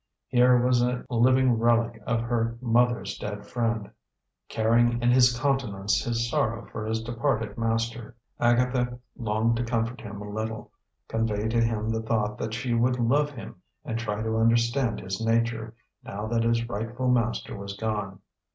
Here was a living relic of her mother's dead friend, carrying in his countenance his sorrow for his departed master. Agatha longed to comfort him a little, convey to him the thought that she would love him and try to understand his nature, now that his rightful master was gone.